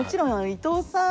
伊藤さん